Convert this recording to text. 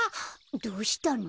どうしたの？